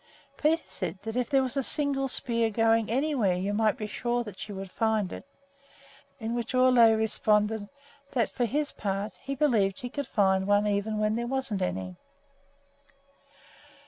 Peter said that if there was a single spear growing anywhere, you might be sure that she would find it; to which Ole jokingly responded that, for his part, he believed she could find one even where there wasn't any!